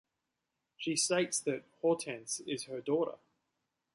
She states that Hortense is her daughter.